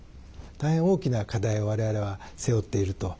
大変大きな課題をわれわれは背負っていると。